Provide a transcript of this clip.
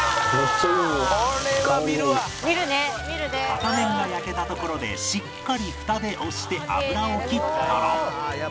片面が焼けたところでしっかりフタで押して油を切ったら